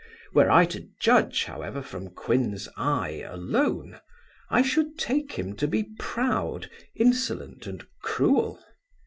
Were I to judge, however, from Quin's eye alone, I should take him to be proud, insolent, and cruel.